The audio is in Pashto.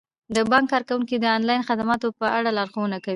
د بانک کارکوونکي د انلاین خدماتو په اړه لارښوونه کوي.